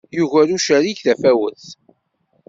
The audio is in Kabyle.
Yuger ucerrig tafawet.